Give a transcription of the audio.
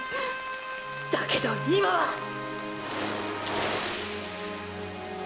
だけど今はーー！！